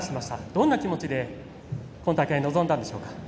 どんな気持ちで今大会、臨んだんでしょうか。